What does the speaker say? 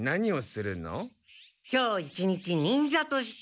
今日一日忍者として。